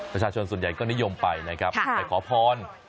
ประชาชนส่วนใหญ่ก็นิยมไปนะครับไปขอพร